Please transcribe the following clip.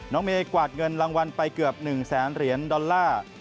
เมย์กวาดเงินรางวัลไปเกือบ๑แสนเหรียญดอลลาร์